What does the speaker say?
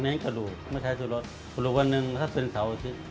เราเน้นกระดูกไม่ใช้สูดรสสูดรุกวันนึงถ้าเป็นเสาที่